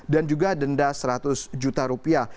dan juga denda seratus juta rupiah